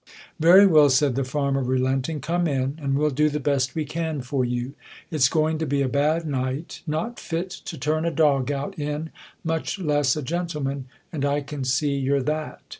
"Very well," said the farmer, relenting. "Come in, and we'll do the best we can for you. It's going to be a bad night, not fit to turn a dog out in, much less a gentleman; and I can see you're that."